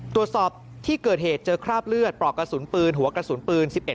ตรวจสอบที่เกิดเหตุเจอคราบเลือดปลอกกระสุนปืนหัวกระสุนปืน๑๑